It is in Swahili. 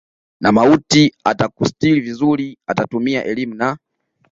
na mauti atakustiri vizuri atatumia elimu na